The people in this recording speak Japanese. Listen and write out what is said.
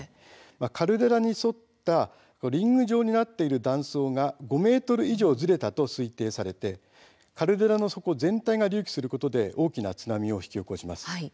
カルデラに沿ったリング状になっている断層が５ｍ以上ずれたと推定されてカルデラの底全体が隆起することで大きな津波を引き起こします。